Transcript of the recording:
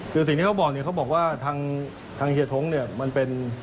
คือสิ่งที่เขาบอกเขาบอกว่าทางเฮียท้องมันเป็น